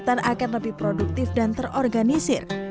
dan akan lebih produktif dan terorganisir